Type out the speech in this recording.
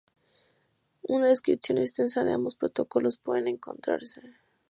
Una descripción extensa de ambos protocolos puede encontrarse